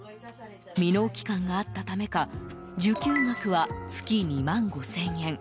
未納期間があったためか受給額は月２万５０００円。